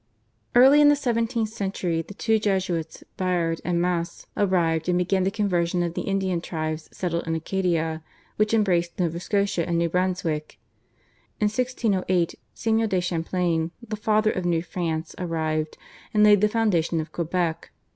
Early in the seventeenth century the two Jesuits Biard and Masse arrived and began the conversion of the Indian tribes settled in Acadia, which embraced Nova Scotia and New Brunswick. In 1608 Samuel de Champlain, "the Father of New France" arrived and laid the foundation of Quebec.